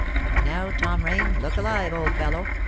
"Now, Tom Rain, look alive, old fellow!"